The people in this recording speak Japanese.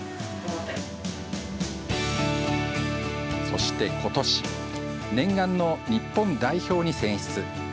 そしてことし、念願の日本代表に選出。